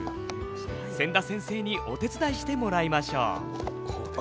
千田先生にお手伝いしてもらいましょう。